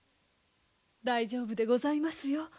大丈夫でございますよ。